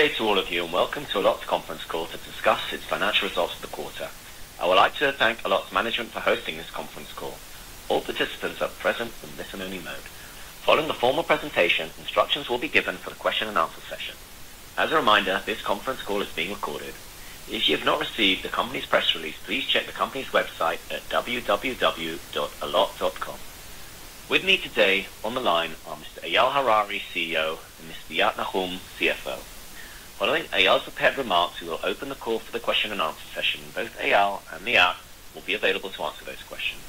Good day to all of you, and welcome to Allot conference call to discuss its financial results for the quarter. I would like to thank Allot's management for hosting this conference call. All participants are present in listen-only mode. Following the formal presentation, instructions will be given for the question and answer session. As a reminder, this conference call is being recorded. If you have not received the company's press release, please check the company's website at www.allot.com. With me today on the line are Mr. Eyal Harari, CEO, and Mr. Liat Nahum, CFO. Following Eyal's prepared remarks, we will open the call for the question and answer session, and both Eyal and Liat will be available to answer those questions.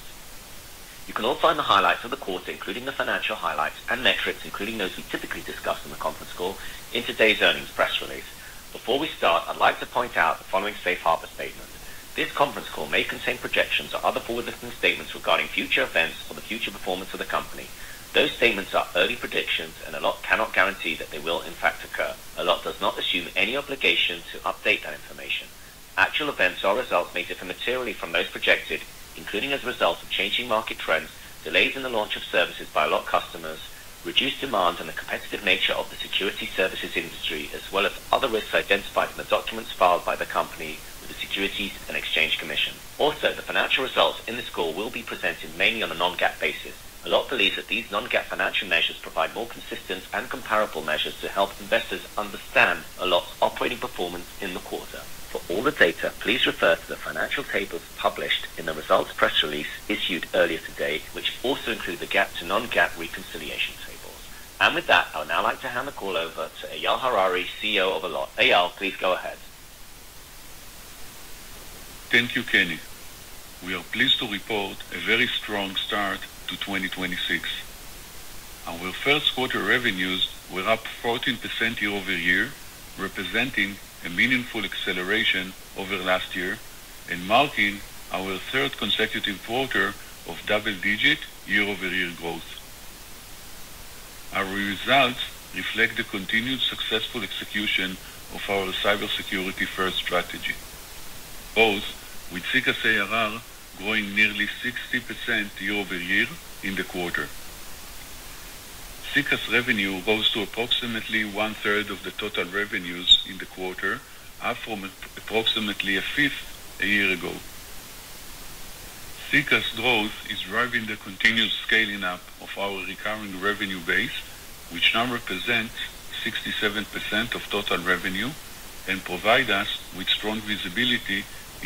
You can all find the highlights of the quarter, including the financial highlights and metrics, including those we typically discuss in the conference call in today's earnings press release. Before we start, I'd like to point out the following safe harbor statement. This conference call may contain projections or other forward-looking statements regarding future events or the future performance of the company. Those statements are early predictions, and Allot cannot guarantee that they will in fact occur. Allot does not assume any obligation to update that information. Actual events or results may differ materially from those projected, including as a result of changing market trends, delays in the launch of services by Allot customers, reduced demand, and the competitive nature of the security services industry, as well as other risks identified in the documents filed by the company with the Securities and Exchange Commission. Also, the financial results in this call will be presented mainly on a non-GAAP basis. Allot believes that these non-GAAP financial measures provide more consistent and comparable measures to help investors understand Allot's operating performance in the quarter. For all the data, please refer to the financial tables published in the results press release issued earlier today, which also include the GAAP to non-GAAP reconciliation tables. With that, I would now like to hand the call over to Eyal Harari, CEO of Allot. Eyal, please go ahead. Thank you, Kenny. We are pleased to report a very strong start to 2026. Our first quarter revenues were up 14% year-over-year, representing a meaningful acceleration over last year and marking our third consecutive quarter of double-digit year-over-year growth. Our results reflect the continued successful execution of our cybersecurity-first strategy, both with SECaaS ARR growing nearly 60% year-over-year in the quarter. SECaaS revenue rose to approximately 1/3 of the total revenues in the quarter, up from approximately 1/5 a year ago. SECaaS growth is driving the continued scaling up of our recurring revenue base, which now represents 67% of total revenue and provide us with strong visibility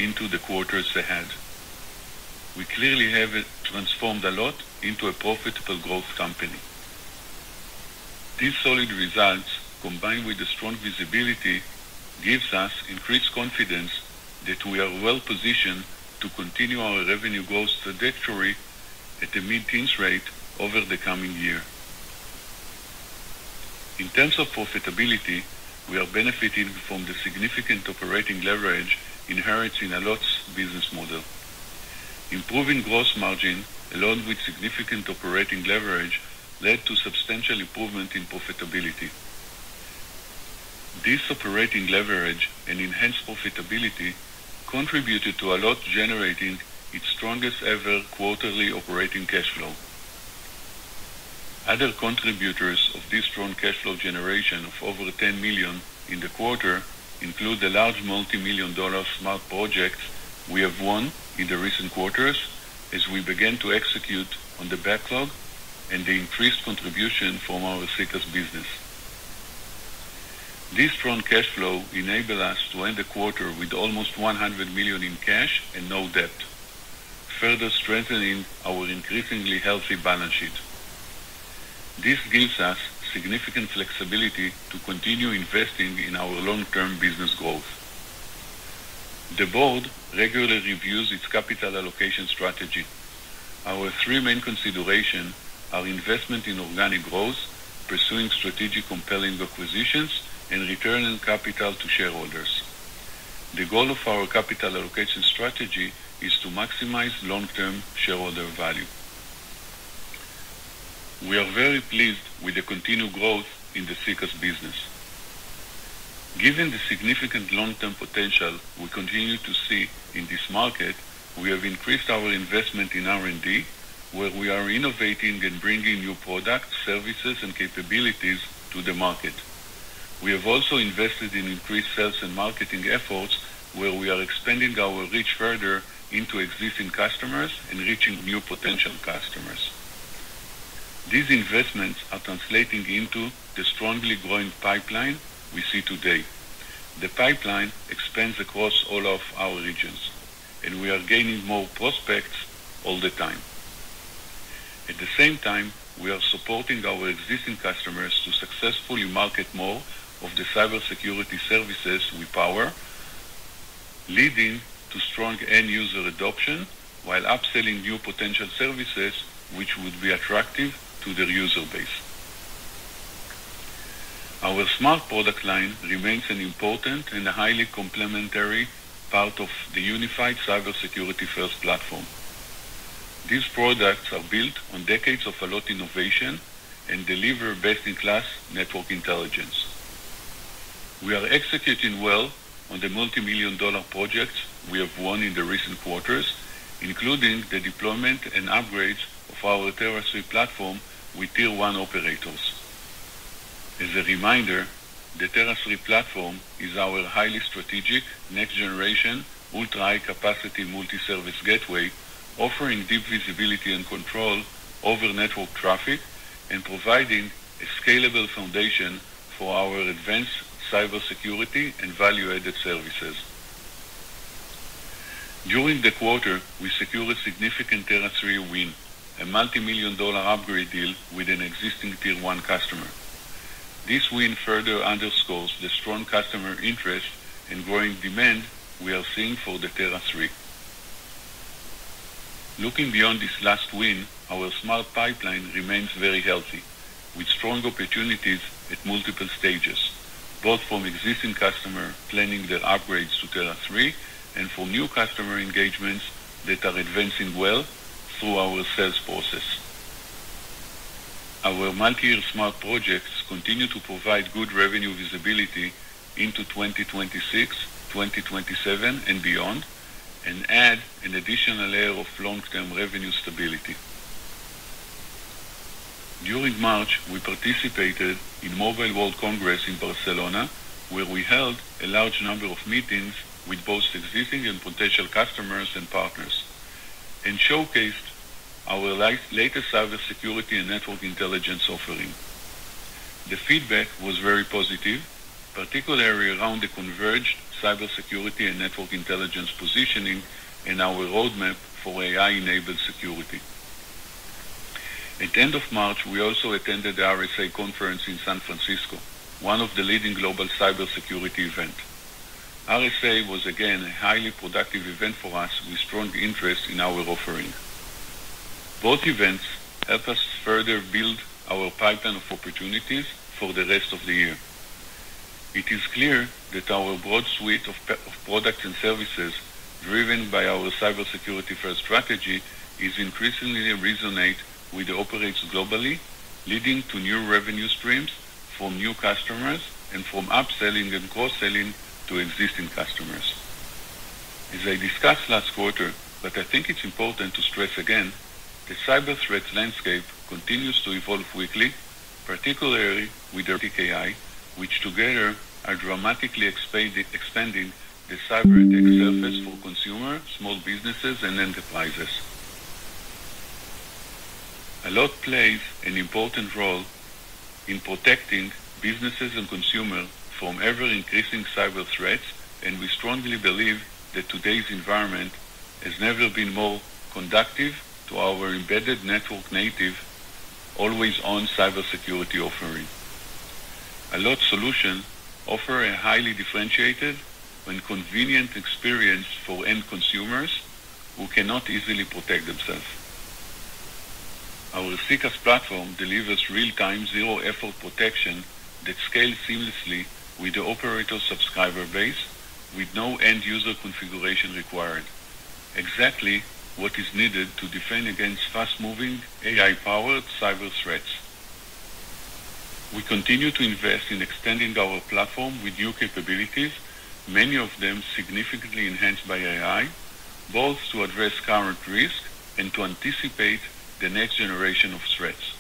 into the quarters ahead. We clearly have transformed Allot into a profitable growth company. These solid results, combined with the strong visibility, gives us increased confidence that we are well-positioned to continue our revenue growth trajectory at a mid-teens rate over the coming year. In terms of profitability, we are benefiting from the significant operating leverage inherent in Allot's business model. Improving gross margin, along with significant operating leverage, led to substantial improvement in profitability. This operating leverage and enhanced profitability contributed to Allot generating its strongest ever quarterly operating cash flow. Other contributors of this strong cash flow generation of over $10 million in the quarter include the large multi-million-dollar Smart projects we have won in the recent quarters as we begin to execute on the backlog and the increased contribution from our SECaaS business. This strong cash flow enable us to end the quarter with almost $100 million in cash and no debt, further strengthening our increasingly healthy balance sheet. This gives us significant flexibility to continue investing in our long-term business growth. The board regularly reviews its capital allocation strategy. Our 3 main considerations are investments in organic growth, pursuing strategic compelling acquisitions, and returning capital to shareholders. The goal of our capital allocation strategy is to maximize long-term shareholder value. We are very pleased with the continued growth in the SECaaS business. Given the significant long-term potential we continue to see in this market, we have increased our investment in R&D, where we are innovating and bringing new products, services, and capabilities to the market. We have also invested in increased sales and marketing efforts, where we are expanding our reach further into existing customers and reaching new potential customers. These investments are translating into the strongly growing pipeline we see today. The pipeline expands across all of our regions. We are gaining more prospects all the time. At the same time, we are supporting our existing customers to successfully market more of the cybersecurity services we power, leading to strong end user adoption while upselling new potential services which would be attractive to their user base. Our Smart product line remains an important and highly complementary part of the unified cybersecurity-first platform. These products are built on decades of Allot innovation and deliver best-in-class network intelligence. We are executing well on the multi-million dollar projects we have won in the recent quarters, including the deployment and upgrades of our Tera III platform with tier 1 operators. As a reminder, the SG-Tera III platform is our highly strategic next generation ultra-high capacity multiservice gateway offering deep visibility and control over network traffic and providing a scalable foundation for our advanced cybersecurity and value-added services. During the quarter, we secured a significant SG-Tera III win, a multi-million dollar upgrade deal with an existing tier 1 customer. This win further underscores the strong customer interest and growing demand we are seeing for the SG-Tera III. Looking beyond this last win, our Smart pipeline remains very healthy with strong opportunities at multiple stages, both from existing customer planning their upgrades to SG-Tera III and for new customer engagements that are advancing well through our sales process. Our multi-year Smart projects continue to provide good revenue visibility into 2026, 2027 and beyond, and add an additional layer of long-term revenue stability. During March, we participated in Mobile World Congress in Barcelona, where we held a large number of meetings with both existing and potential customers and partners, and showcased our latest cybersecurity and network intelligence offering. The feedback was very positive, particularly around the converged cybersecurity and network intelligence positioning in our roadmap for AI-enabled security. At the end of March, we also attended the RSA Conference in San Francisco, one of the leading global cybersecurity event. RSA was again a highly productive event for us with strong interest in our offering. Both events help us further build our pipeline of opportunities for the rest of the year. It is clear that our broad suite of products and services, driven by our cybersecurity first strategy, is increasingly resonate with the operators globally, leading to new revenue streams for new customers and from upselling and cross-selling to existing customers. As I discussed last quarter, I think it's important to stress again, the cyber threat landscape continues to evolve quickly, particularly with the AI, which together are dramatically expanding the cyberattack surface for consumer, small businesses and enterprises. Allot plays an important role in protecting businesses and consumers from ever-increasing cyberthreats, we strongly believe that today's environment has never been more conducive to our embedded network-native always-on cybersecurity offering. Allot solution offer a highly differentiated and convenient experience for end consumers who cannot easily protect themselves. Our SECaaS platform delivers real-time zero-effort protection that scales seamlessly with the operator subscriber base with no end-user configuration required. Exactly what is needed to defend against fast-moving AI-powered cyberthreats. We continue to invest in extending our platform with new capabilities, many of them significantly enhanced by AI, both to address current risk and to anticipate the next generation of threats.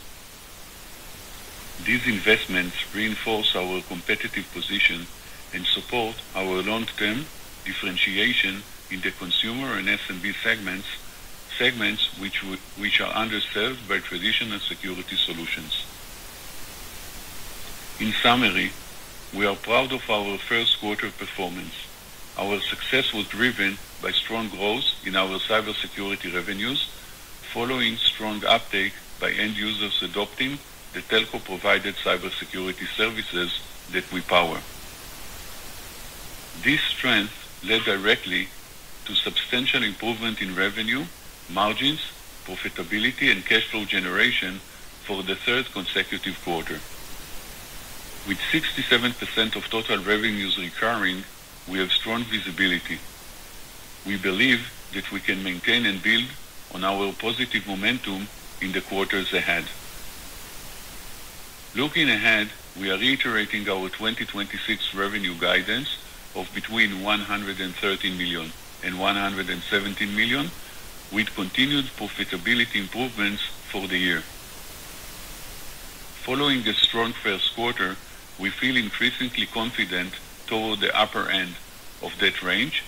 These investments reinforce our competitive position and support our long-term differentiation in the consumer and SMB segments which are underserved by traditional security solutions. In summary, we are proud of our first quarter performance. Our success was driven by strong growth in our cybersecurity revenues, following strong uptake by end users adopting the telco-provided cybersecurity services that we power. This strength led directly to substantial improvement in revenue, margins, profitability and cash flow generation for the third consecutive quarter. With 67% of total revenues recurring, we have strong visibility. We believe that we can maintain and build on our positive momentum in the quarters ahead. Looking ahead, we are reiterating our 2026 revenue guidance of between $113 million and $117 million, with continued profitability improvements for the year. Following the strong first quarter, we feel increasingly confident toward the upper end of that range,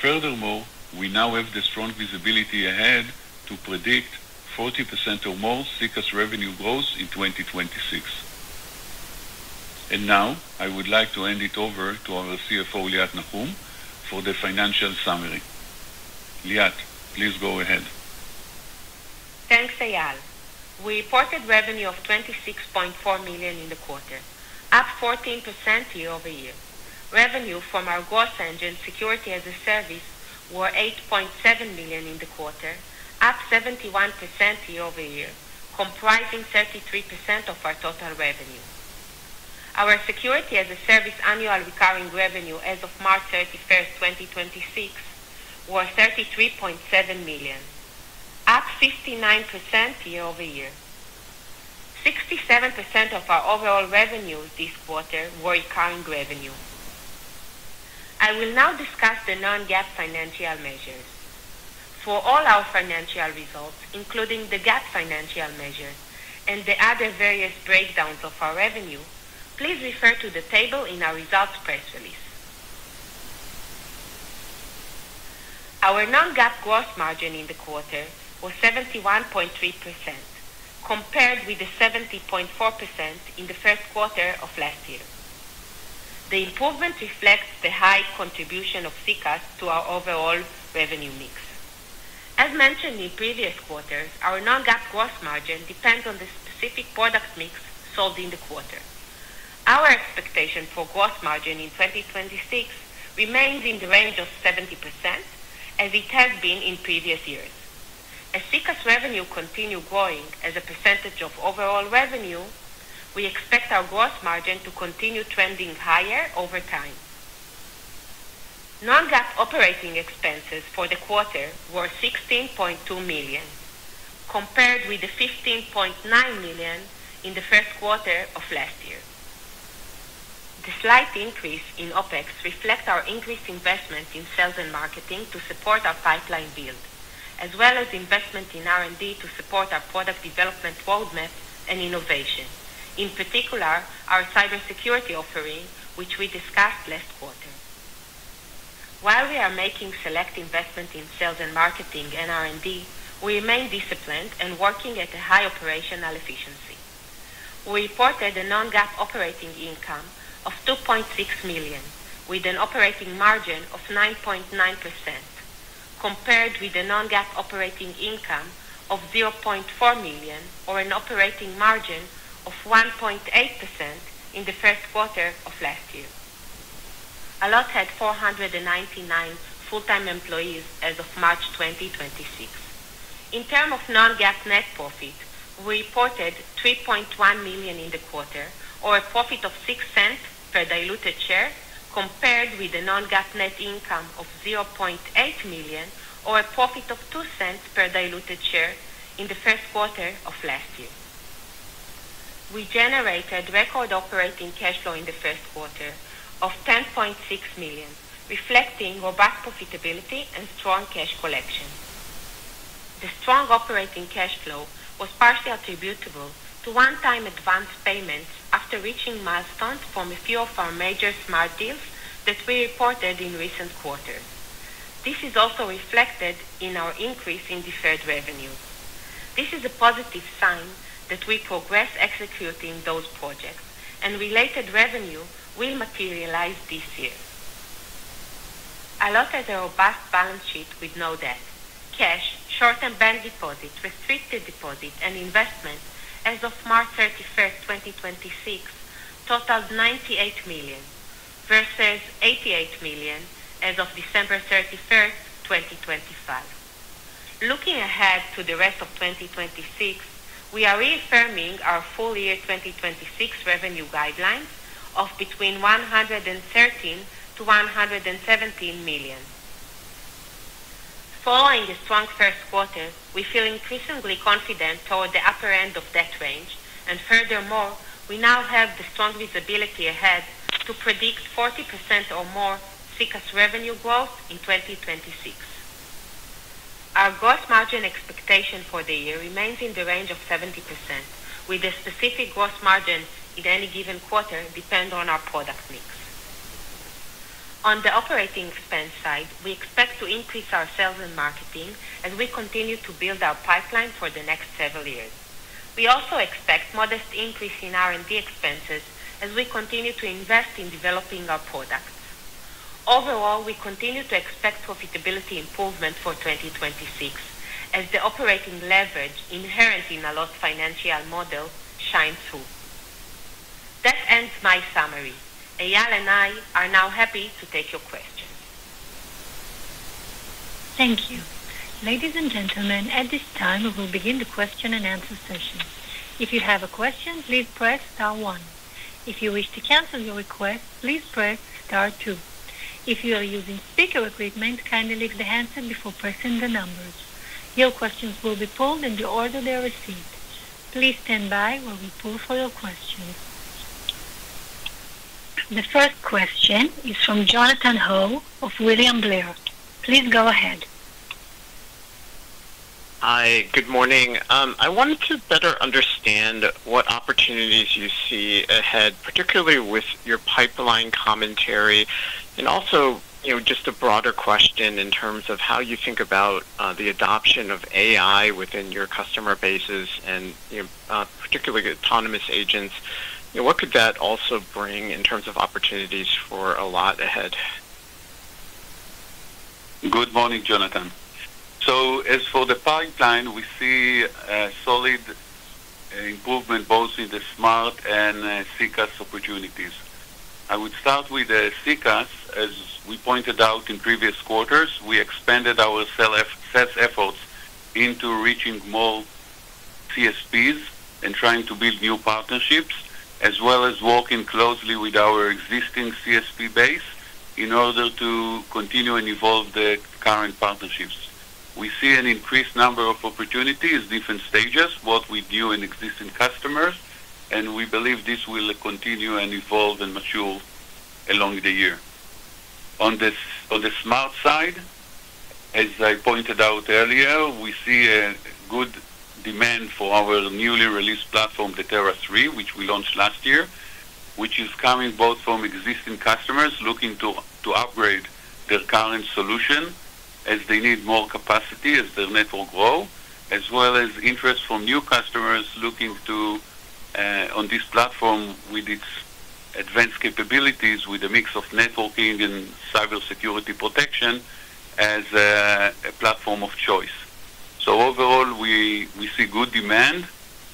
furthermore, we now have the strong visibility ahead to predict 40% or more SECaaS revenue growth in 2026. Now I would like to hand it over to our CFO, Liat Nahum, for the financial summary. Liat, please go ahead. Thanks, Eyal. We reported revenue of $26.4 million in the quarter, up 14% year-over-year. Revenue from our growth engine, Security as a Service, were $8.7 million in the quarter, up 71% year-over-year, comprising 33% of our total revenue. Our Security as a Service annual recurring revenue as of March 31st, 2026, was $33.7 million, up 59% year-over-year. 67% of our overall revenue this quarter were recurring revenue. I will now discuss the non-GAAP financial measures. For all our financial results, including the GAAP financial measures and the other various breakdowns of our revenue, please refer to the table in our results press release. Our non-GAAP gross margin in the quarter was 71.3% compared with the 70.4% in the first quarter of last year. The improvement reflects the high contribution of SECaaS to our overall revenue mix. As mentioned in previous quarters, our non-GAAP gross margin depends on the specific product mix sold in the quarter. Our expectation for gross margin in 2026 remains in the range of 70% as it has been in previous years. As SECaaS revenue continue growing as a percentage of overall revenue, we expect our gross margin to continue trending higher over time. Non-GAAP operating expenses for the quarter were $16.2 million, compared with the $15.9 million in the first quarter of last year. The slight increase in OpEx reflects our increased investment in sales and marketing to support our pipeline build, as well as investment in R&D to support our product development roadmap and innovation, in particular, our cybersecurity offering, which we discussed last quarter. While we are making select investment in sales and marketing and R&D, we remain disciplined and working at a high operational efficiency. We reported a non-GAAP operating income of $2.6 million, with an operating margin of 9.9%, compared with the non-GAAP operating income of $0.4 million or an operating margin of 1.8% in the first quarter of last year. Allot had 499 full-time employees as of March 2026. In term of non-GAAP net profit, we reported $3.1 million in the quarter or a profit of $0.06 per diluted share, compared with the non-GAAP net income of $0.8 million or a profit of $0.02 per diluted share in the first quarter of last year. We generated record operating cash flow in the first quarter of $10.6 million, reflecting robust profitability and strong cash collection. The strong operating cash flow was partially attributable to one-time advanced payments after reaching milestones from a few of our major Smart deals that we reported in recent quarters. This is also reflected in our increase in deferred revenue. This is a positive sign that we progress executing those projects and related revenue will materialize this year. Allot has a robust balance sheet with no debt. Cash, short-term bank deposits, restricted deposits, and investments as of March 31st, 2026 totaled $98 million versus $88 million as of December 31st, 2025. Looking ahead to the rest of 2026, we are reaffirming our full year 2026 revenue guidelines of between $113 million-$117 million. Following a strong 1st quarter, we feel increasingly confident toward the upper end of that range. Furthermore, we now have the strong visibility ahead to predict 40% or more SECaaS revenue growth in 2026. Our gross margin expectation for the year remains in the range of 70%, with the specific gross margin in any given quarter depend on our product mix. On the OpEx side, we expect to increase our sales and marketing as we continue to build our pipeline for the next several years. We also expect modest increase in R&D expenses as we continue to invest in developing our products. Overall, we continue to expect profitability improvement for 2026 as the operating leverage inherent in Allot's financial model shines through. That ends my summary. Eyal and I are now happy to take your questions. Thank you. Ladies and gentlemen, at this time, we will begin the question-and-answer session. The first question is from Jonathan Ho of William Blair. Please go ahead. Hi. Good morning. I wanted to better understand what opportunities you see ahead, particularly with your pipeline commentary and also, you know, just a broader question in terms of how you think about, the adoption of AI within your customer bases and, you know, particularly autonomous agents. What could that also bring in terms of opportunities for Allot ahead? Good morning, Jonathan. As for the pipeline, we see a solid improvement both in the Smart and SECaaS opportunities. I would start with the SECaaS. As we pointed out in previous quarters, we expanded our sales efforts into reaching more CSPs and trying to build new partnerships, as well as working closely with our existing CSP base in order to continue and evolve the current partnerships. We see an increased number of opportunities, different stages, both with new and existing customers, and we believe this will continue and evolve and mature along the year. On the Smart side, as I pointed out earlier, we see a good demand for our newly released platform, the Tera III, which we launched last year, which is coming both from existing customers looking to upgrade their current solution as they need more capacity as their network grow, as well as interest from new customers looking to on this platform with its advanced capabilities, with a mix of networking and cybersecurity protection as a platform of choice. Overall, we see good demand,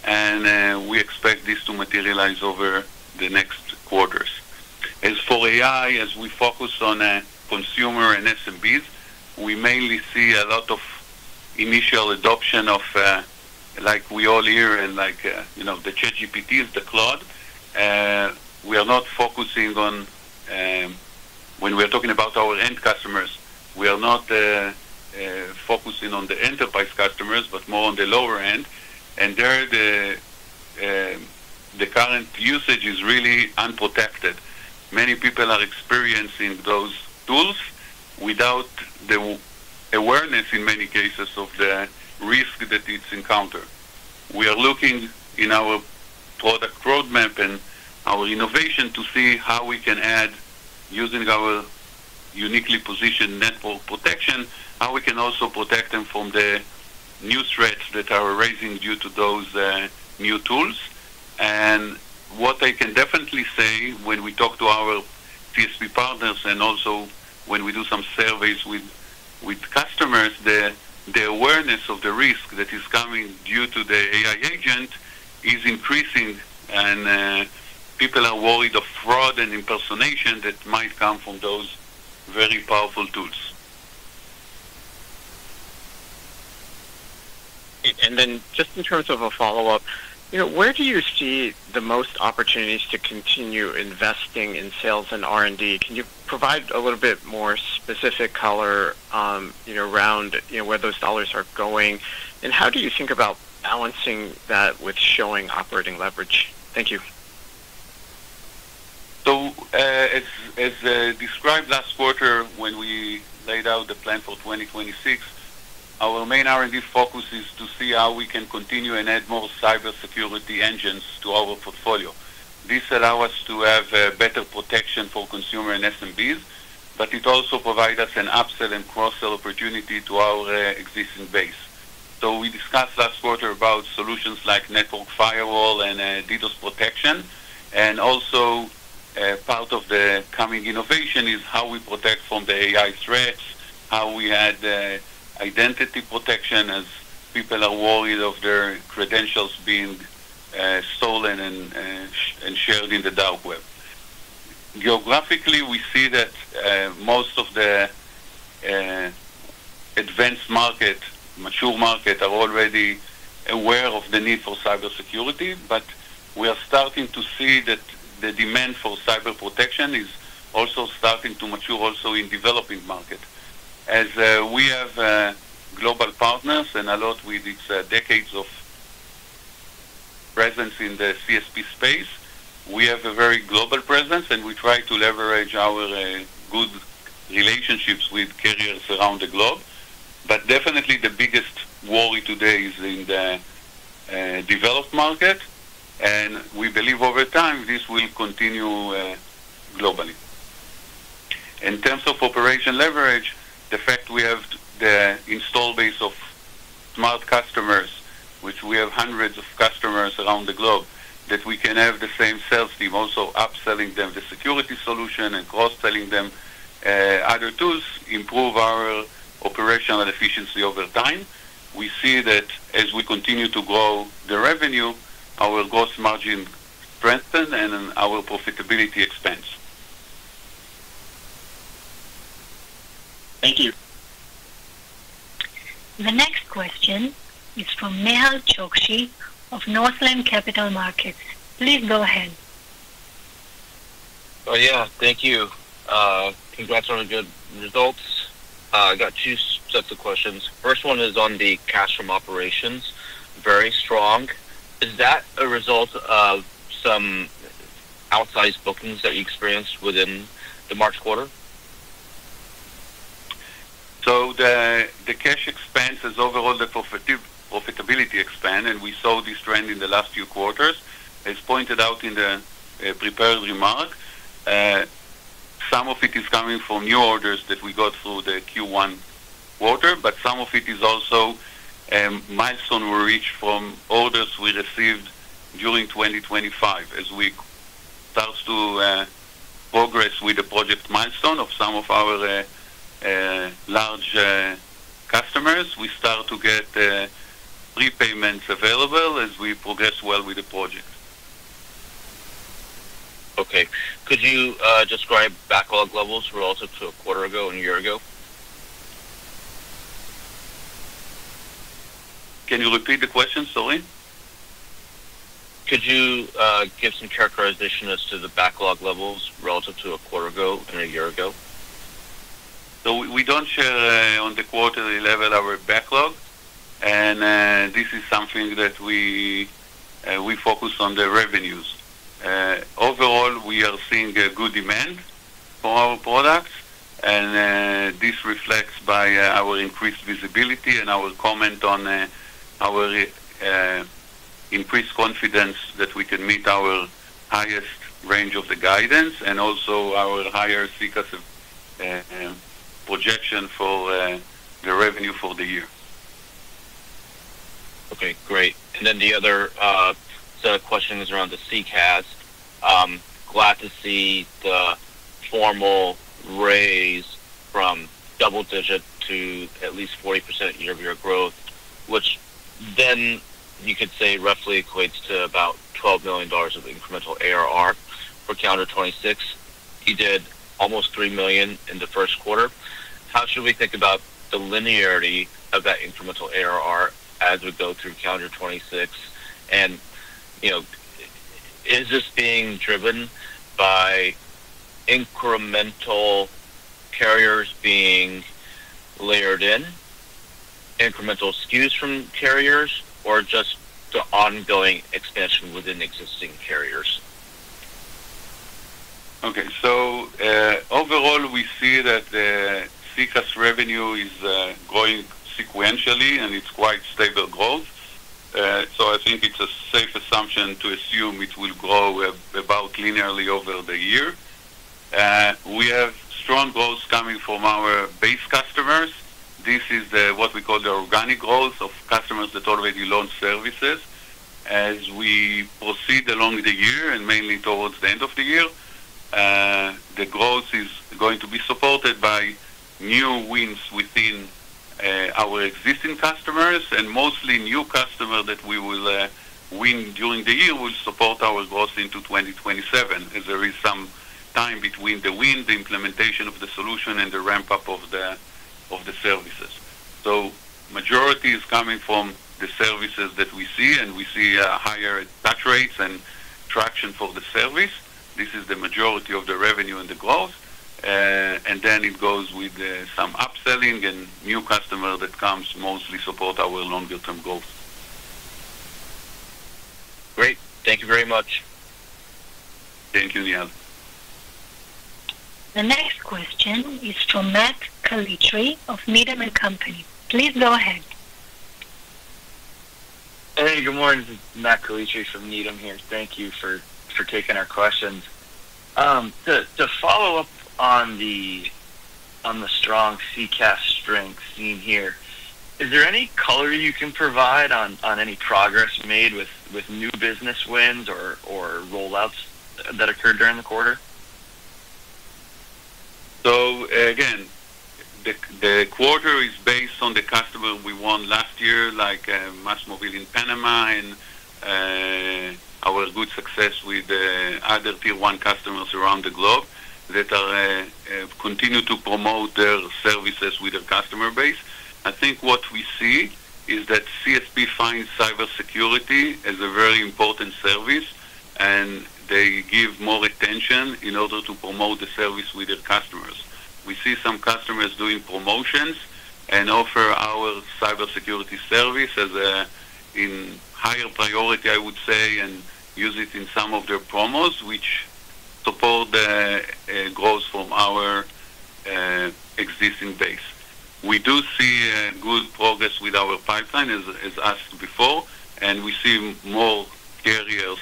and we expect this to materialize over the next quarters. As for AI, as we focus on consumer and SMBs, we mainly see a lot of initial adoption of like we all hear and like, you know, the ChatGPT, the Claude. We are not focusing on, when we're talking about our end customers, we are not focusing on the enterprise customers, but more on the lower end. There the current usage is really unprotected. Many people are experiencing those tools without the awareness, in many cases, of the risk that it's encountered. We are looking in our product roadmap and our innovation to see how we can add, using our uniquely positioned network protection, how we can also protect them from the new threats that are arising due to those new tools. What I can definitely say when we talk to our CSP partners and also when we do some surveys with customers, the awareness of the risk that is coming due to the AI agent is increasing, and people are worried of fraud and impersonation that might come from those very powerful tools. Just in terms of a follow-up, you know, where do you see the most opportunities to continue investing in sales and R&D? Can you provide a little bit more specific color, you know, around, you know, where those dollars are going? How do you think about balancing that with showing operating leverage? Thank you. As, as described last quarter when we laid out the plan for 2026, our main R&D focus is to see how we can continue and add more cybersecurity engines to our portfolio. This allow us to have better protection for consumer and SMBs, but it also provide us an upsell and cross-sell opportunity to our existing base. We discussed last quarter about solutions like network firewall and DDoS protection, and also, part of the coming innovation is how we protect from the AI threats, how we add identity protection as people are worried of their credentials being stolen and shared in the dark web. Geographically, we see that most of the advanced market, mature market are already aware of the need for cybersecurity, but we are starting to see that the demand for cyber protection is also starting to mature also in developing market. As we have global partners and Allot with its decades of presence in the CSP space, we have a very global presence, and we try to leverage our good relationships with carriers around the globe. Definitely the biggest worry today is in the developed market, and we believe over time this will continue globally. In terms of operational leverage, the fact we have the install base of Smart customers, which we have hundreds of customers around the globe, that we can have the same sales team also upselling them the security solution and cross-selling them, other tools improve our operational efficiency over time. We see that as we continue to grow the revenue, our gross margin strengthen and our profitability expands. Thank you. The next question is from Nehal Chokshi of Northland Capital Markets. Please go ahead. Oh, yeah. Thank you. Congrats on the good results. I got two sets of questions. First one is on the cash from operations. Very strong. Is that a result of some outsized bookings that you experienced within the March quarter? The cash expense is overall the profitability expand. We saw this trend in the last few quarters. As pointed out in the prepared remarks, some of it is coming from new orders that we got through the Q1 quarter. Some of it is also milestone reached from orders we received during 2025. As we start to progress with the project milestone of some of our large customers, we start to get prepayments available as we progress well with the project. Okay. Could you, describe backlog levels relative to a quarter ago and a year ago? Can you repeat the question, sorry? Could you give some characterization as to the backlog levels relative to a quarter ago and a year ago? We don't share on the quarterly level our backlog. This is something that we focus on the revenues. Overall, we are seeing a good demand for our products, and this reflects by our increased visibility and our comment on our increased confidence that we can meet our highest range of the guidance and also our higher SECaaS projection for the revenue for the year. Okay, great. The other set of questions around the SECaaS. Glad to see the formal raise from double-digit to at least 40% year-over-year growth, which you could say roughly equates to about $12 million of incremental ARR for calendar 2026. You did almost $3 million in the first quarter. How should we think about the linearity of that incremental ARR as we go through calendar 2026? You know, is this being driven by incremental carriers being layered in, incremental SKUs from carriers, or just the ongoing expansion within existing carriers? Okay. Overall, we see that the SECaaS revenue is growing sequentially, and it's quite stable growth. I think it's a safe assumption to assume it will grow about linearly over the year. We have strong growth coming from our base customers. This is what we call the organic growth of customers that already launched services. As we proceed along the year and mainly towards the end of the year, the growth is going to be supported by new wins within our existing customers, and mostly new customer that we will win during the year will support our growth into 2027, as there is some time between the win, the implementation of the solution and the ramp-up of the services. Majority is coming from the services that we see, and we see higher attach rates and traction for the service. This is the majority of the revenue and the growth. It goes with some upselling and new customer that comes mostly support our longer term goals. Great. Thank you very much. Thank you, Nehal. The next question is from Matt Calitri of Needham & Company. Please go ahead. Hey, good morning. This is Matt Calitri from Needham here. Thank you for taking our questions. To follow up on the strong SECaaS strength seen here, is there any color you can provide on any progress made with new business wins or rollouts that occurred during the quarter? Again, the quarter is based on the customer we won last year, like MásMóvil in Panama and our good success with other tier 1 customers around the globe that continue to promote their services with their customer base. I think what we see is that CSP finds cybersecurity as a very important service, and they give more attention in order to promote the service with their customers. We see some customers doing promotions and offer our cybersecurity service in higher priority, I would say, and use it in some of their promos, which support growth from our existing base. We do see good progress with our pipeline as asked before, and we see more carriers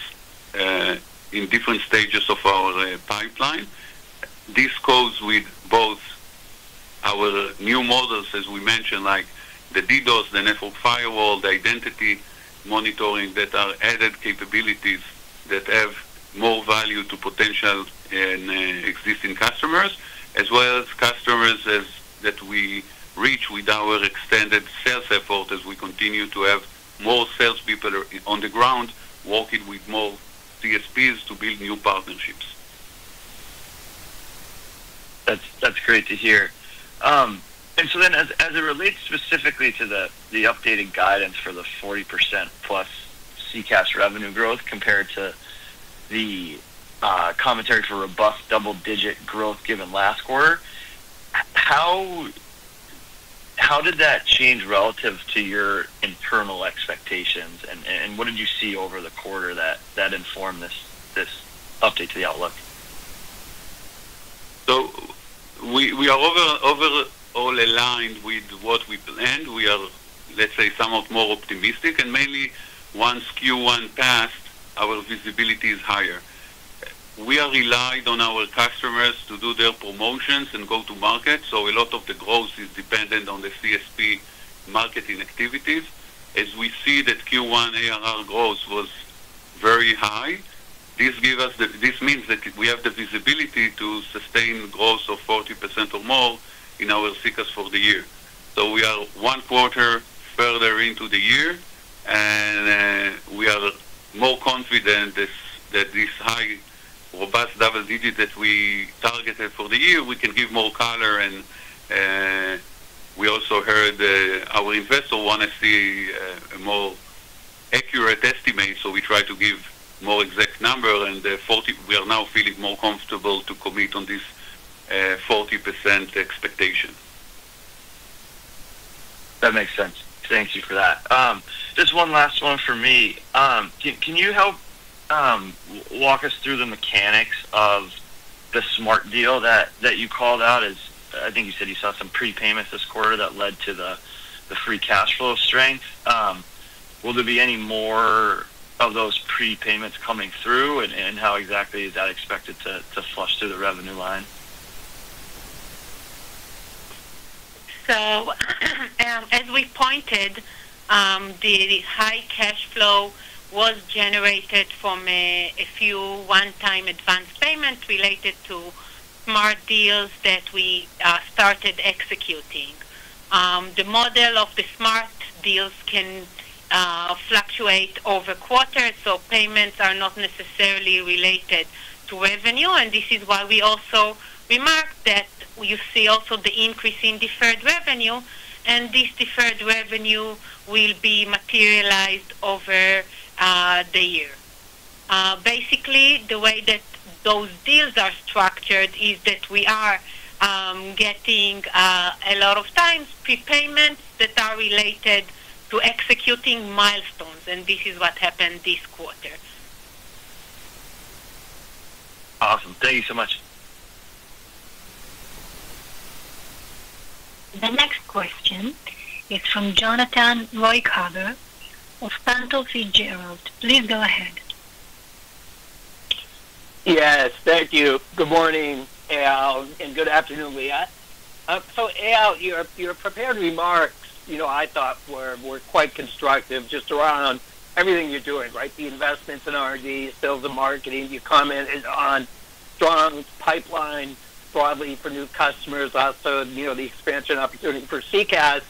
in different stages of our pipeline. This goes with both our new models, as we mentioned, like the DDoS, the network firewall, the identity monitoring that are added capabilities that have more value to potential and existing customers, as well as customers that we reach with our extended sales effort as we continue to have more salespeople on the ground working with more CSPs to build new partnerships. That's great to hear. As it relates specifically to the updated guidance for the 40% plus SECaaS revenue growth compared to the commentary for robust double-digit growth given last quarter, how did that change relative to your internal expectations and what did you see over the quarter that informed this update to the outlook? We are overall aligned with what we planned. We are, let's say, somewhat more optimistic, mainly once Q1 passed, our visibility is higher. We are relied on our customers to do their promotions and go to market, a lot of the growth is dependent on the CSP marketing activities. As we see that Q1 ARR growth was very high, this means that we have the visibility to sustain growth of 40% or more in our SECaaS for the year. We are one quarter further into the year, and we are more confident that this high, robust double digits that we targeted for the year, we can give more color. We also heard, our investor want to see a more accurate estimate, so we try to give more exact number. We are now feeling more comfortable to commit on this 40% expectation. That makes sense. Thank you for that. Just one last one for me. Can you help walk us through the mechanics of the Smart deal that you called out I think you said you saw some prepayments this quarter that led to the free cash flow strength? Will there be any more of those prepayments coming through and how exactly is that expected to flush through the revenue line? As we pointed, the high cash flow was generated from a few one-time advanced payments related to Smart deals that we started executing. The model of the Smart deals can fluctuate over quarters, so payments are not necessarily related to revenue, and this is why we also remarked that you see also the increase in deferred revenue, and this deferred revenue will be materialized over the year. Basically, the way that those deals are structured is that we are getting a lot of times prepayments that are related to executing milestones, and this is what happened this quarter. Awesome. Thank you so much. The next question is from Jonathan Ruykhaver of Cantor Fitzgerald. Please go ahead. Yes. Thank you. Good morning, Eyal, and good afternoon, Liat. Eyal, your prepared remarks, you know, I thought were quite constructive just around everything you're doing, right? The investments in R&D, sales and marketing. You commented on strong pipeline broadly for new customers, also, you know, the expansion opportunity for SECaaS.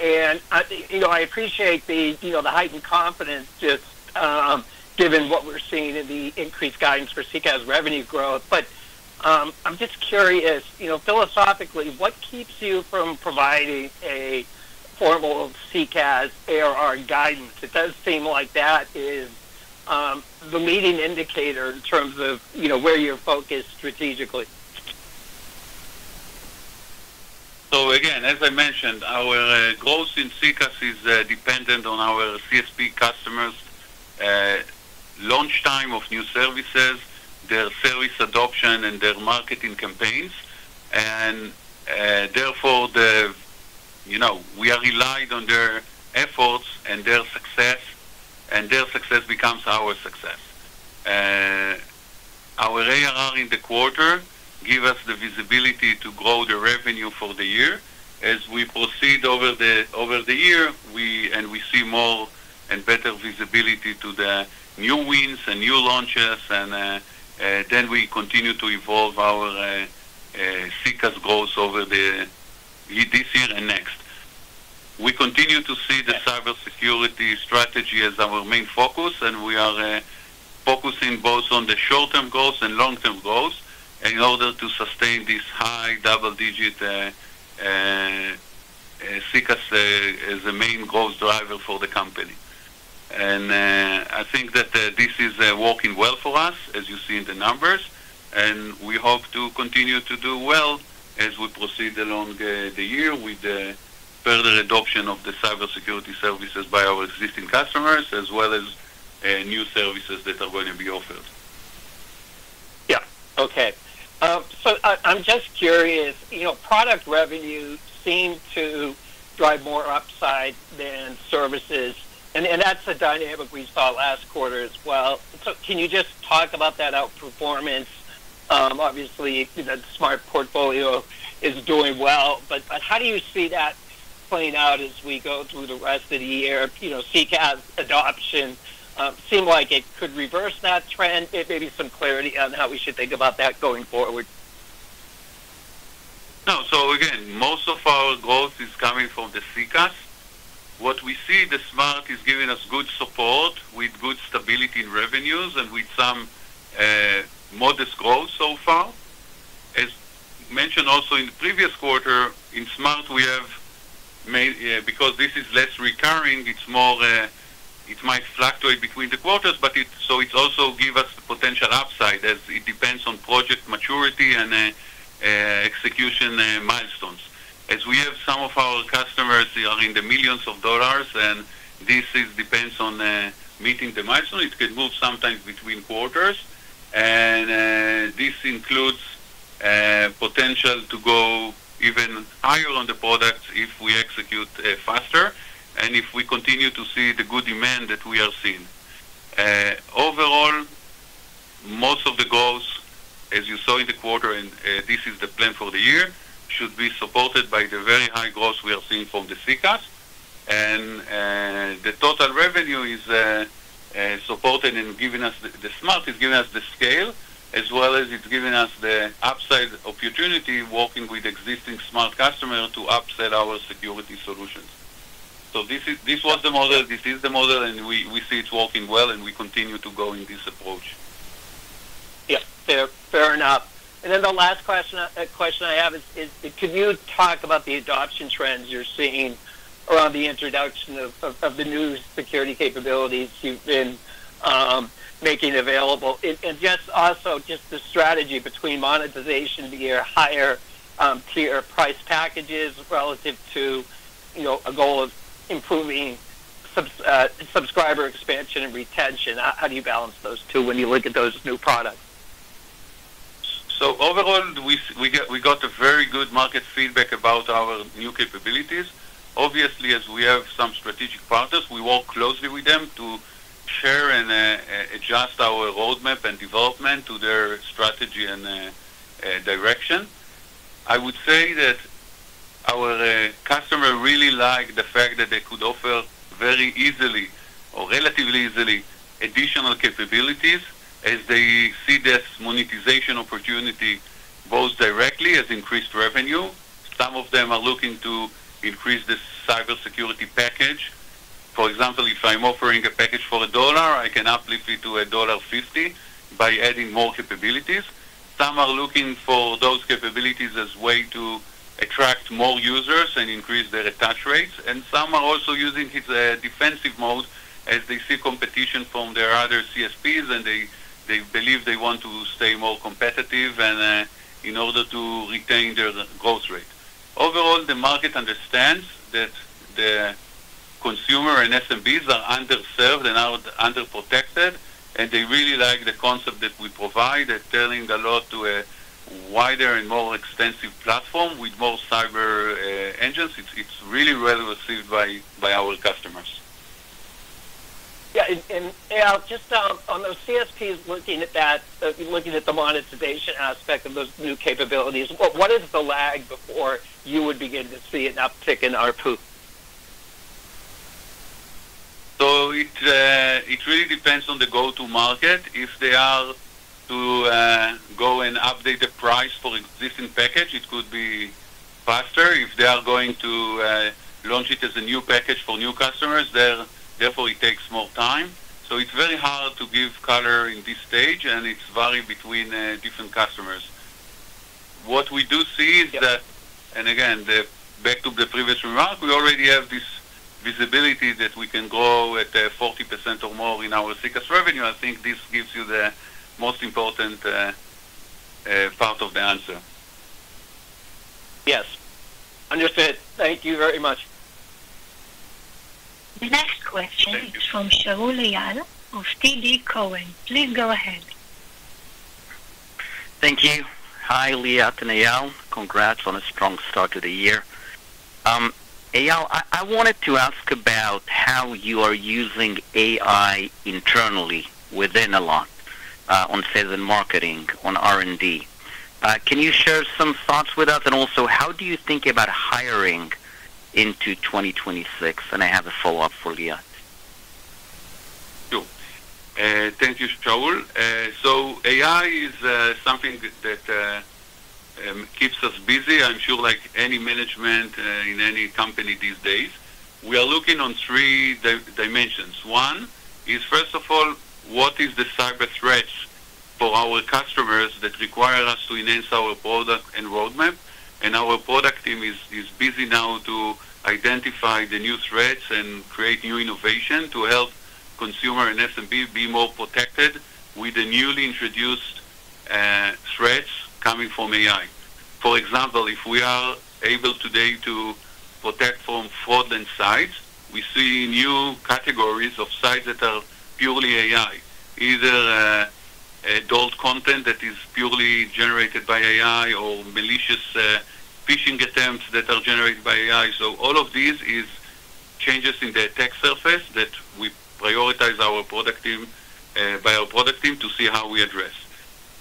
I, you know, I appreciate the heightened confidence just given what we're seeing in the increased guidance for SECaaS revenue growth. I'm just curious, you know, philosophically, what keeps you from providing a formal SECaaS ARR guidance? It does seem like that is the leading indicator in terms of, you know, where you're focused strategically. Again, as I mentioned, our growth in SECaaS is dependent on our CSP customers', launch time of new services, their service adoption and their marketing campaigns. Therefore, You know, we are relied on their efforts and their success, and their success becomes our success. Our ARR in the quarter give us the visibility to grow the revenue for the year. As we proceed over the year, and we see more and better visibility to the new wins and new launches, then we continue to evolve our SECaaS growth over this year and next. We continue to see the cybersecurity strategy as our main focus. We are focusing both on the short-term goals and long-term goals in order to sustain this high double-digit SECaaS as the main growth driver for the company. I think that this is working well for us as you see in the numbers, and we hope to continue to do well as we proceed along the year with the further adoption of the cybersecurity services by our existing customers, as well as new services that are going to be offered. Yeah. Okay. I'm just curious. You know, product revenue seem to drive more upside than services, and that's a dynamic we saw last quarter as well. Can you just talk about that outperformance? Obviously, you know, the Smart portfolio is doing well, but how do you see that playing out as we go through the rest of the year? You know, SECaaS adoption seem like it could reverse that trend. Maybe some clarity on how we should think about that going forward. No. Again, most of our growth is coming from the SECaaS. What we see, the Smart is giving us good support with good stability in revenues and with some modest growth so far. As mentioned also in the previous quarter, in Smart we have because this is less recurring, it's more, it might fluctuate between the quarters, but it also give us the potential upside as it depends on project maturity and execution milestones. As we have some of our customers, they are in the millions of dollars, and this is depends on meeting the milestone. It could move sometimes between quarters. This includes potential to go even higher on the products if we execute faster and if we continue to see the good demand that we are seeing. Overall, most of the growth, as you saw in the quarter, and this is the plan for the year, should be supported by the very high growth we are seeing from the SECaaS. The total revenue is supported and giving us the Smart is giving us the scale, as well as it's giving us the upside opportunity working with existing Smart customer to upsell our security solutions. This was the model, this is the model, and we see it working well, and we continue to go in this approach. Fair enough. The last question I have is, could you talk about the adoption trends you're seeing around the introduction of the new security capabilities you've been making available? And just also just the strategy between monetization via higher tier price packages relative to, you know, a goal of improving subscriber expansion and retention. How do you balance those two when you look at those new products? Overall, we got a very good market feedback about our new capabilities. Obviously, as we have some strategic partners, we work closely with them to share and adjust our roadmap and development to their strategy and direction. I would say that our customer really like the fact that they could offer very easily or relatively easily additional capabilities as they see this monetization opportunity both directly as increased revenue. Some of them are looking to increase the cybersecurity package. For example, if I'm offering a package for $1, I can uplift it to $1.50 by adding more capabilities. Some are looking for those capabilities as way to attract more users and increase their attach rates, and some are also using it defensive mode as they see competition from their other CSPs, and they believe they want to stay more competitive and in order to retain their growth rate. Overall, the market understands that the consumer and SMBs are underserved and are underprotected, and they really like the concept that we provide. They're turning a lot to a wider and more extensive platform with more cyber engines. It's really well received by our customers. Yeah. Eyal, just on those CSPs looking at that, looking at the monetization aspect of those new capabilities, what is the lag before you would begin to see an uptick in ARPU? It really depends on the go-to-market. If they are to go and update the price for existing package, it could be faster. If they are going to launch it as a new package for new customers, therefore, it takes more time. It's very hard to give color in this stage, and it vary between different customers. What we do see is that, and again, back to the previous remark, we already have this visibility that we can grow at 40% or more in our SECaaS revenue. I think this gives you the most important part of the answer. Yes. Understood. Thank you very much. The next question is from Shaul Eyal of TD Cowen. Please go ahead. Thank you. Hi, Liat and Eyal. Congrats on a strong start to the year. Eyal, I wanted to ask about how you are using AI internally within Allot on sales and marketing, on R&D. Can you share some thoughts with us? Also, how do you think about hiring into 2026? I have a follow-up for Liat. Sure. Thank you, Shaul. AI is something that keeps us busy, I'm sure like any management in any company these days. We are looking on three dimensions. One is, first of all, what is the cyber threats for our customers that require us to enhance our product and roadmap? Our product team is busy now to identify the new threats and create new innovation to help consumer and SMB be more protected with the newly introduced threats coming from AI. For example, if we are able today to protect from fraud and sites, we see new categories of sites that are purely AI. Either adult content that is purely generated by AI or malicious phishing attempts that are generated by AI. All of these is changes in the attack surface that we prioritize our product team, by our product team to see how we address.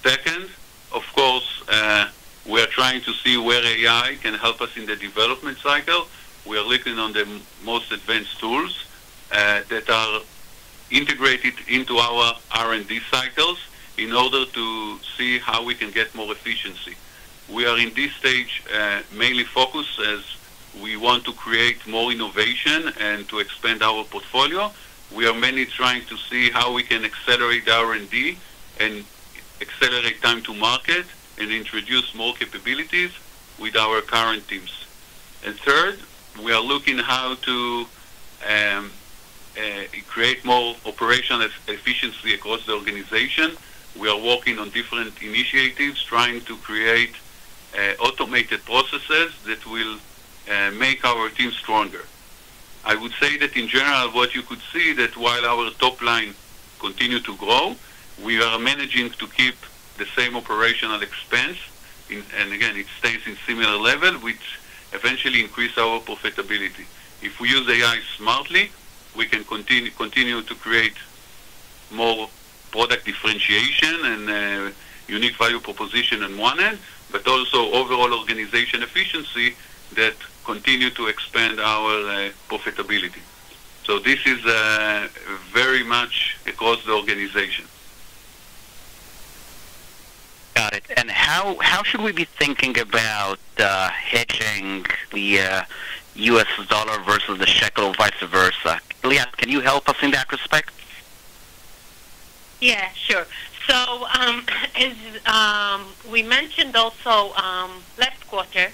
Second, of course, we are trying to see where AI can help us in the development cycle. We are looking on the most advanced tools that are integrated into our R&D cycles in order to see how we can get more efficiency. We are in this stage, mainly focused as we want to create more innovation and to expand our portfolio. We are mainly trying to see how we can accelerate the R&D and accelerate time to market and introduce more capabilities with our current teams. Third, we are looking how to create more operational efficiency across the organization. We are working on different initiatives, trying to create automated processes that will make our team stronger. I would say that in general, what you could see that while our top line continue to grow, we are managing to keep the same operational expense and again, it stays in similar level, which eventually increase our profitability. If we use AI smartly, we can continue to create more product differentiation and unique value proposition on one end, but also overall organization efficiency that continue to expand our profitability. This is very much across the organization. Got it. How should we be thinking about hedging the U.S. dollar versus the shekel, vice versa? Liat, can you help us in that respect? Yeah, sure. As we mentioned also, last quarter,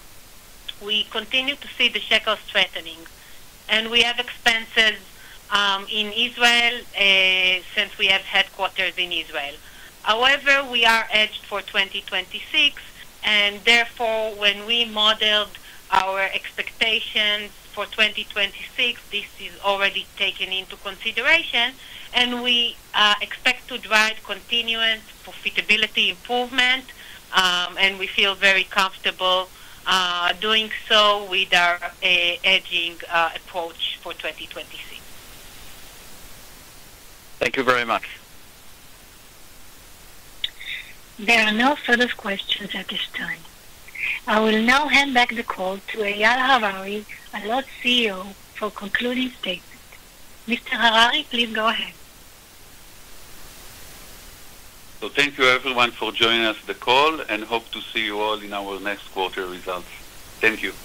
we continue to see the shekel strengthening, and we have expenses in Israel, since we have headquarters in Israel. However, we are hedged for 2026, and therefore, when we modeled our expectations for 2026, this is already taken into consideration, and we expect to drive continuous profitability improvement, and we feel very comfortable doing so with our hedging approach for 2026. Thank you very much. There are no further questions at this time. I will now hand back the call to Eyal Harari, Allot CEO, for concluding statement. Mr. Harari, please go ahead. Thank you everyone for joining us the call. Hope to see you all in our next quarter results. Thank you.